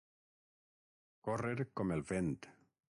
Córrer com el vent.